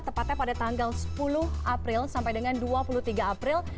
tepatnya pada tanggal sepuluh april sampai dengan dua puluh tiga april